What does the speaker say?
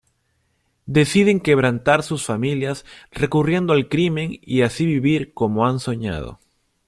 Deciden quebrantar sus familias recurriendo al crimen y así vivir como han soñado.